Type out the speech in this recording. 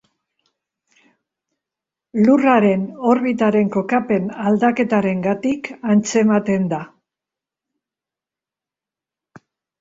Lurraren orbitaren kokapen aldaketarengatik antzematen da.